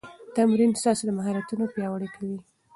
تمرین ستاسو مهارتونه پیاوړي کوي.